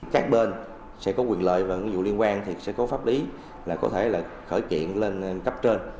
các bên sẽ có quyền lợi và nghĩa vụ liên quan thì sẽ có pháp lý là có thể là khởi kiện lên cấp trên